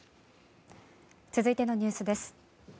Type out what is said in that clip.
続いてのニュースです。